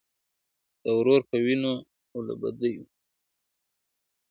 د ورور په وینو او له بدیو ..